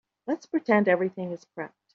Let's pretend everything is prepped.